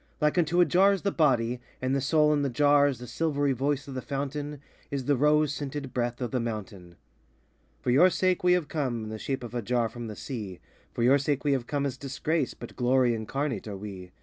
Like unto a jar is the body, And the soul in the jar Is the silvery voice of the Fountain, Is the rose scented breath of the Mountain, For your sake we have come In the shape of a jar from the Sea; For your sake we have come as Disgrace, But glory incarnate are we.